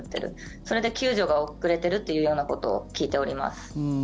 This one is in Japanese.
それで救助が遅れてるっていうようなことを聞いております。